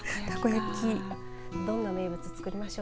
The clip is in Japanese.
どんな名物をつくりましょう。